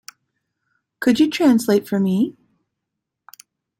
Could you translate for me?